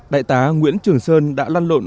đại tá nguyễn trường sơn đã lan lộn